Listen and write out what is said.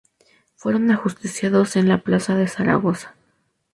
Fueron ajusticiados en la plaza de Zaragoza.